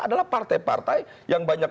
adalah partai partai yang banyak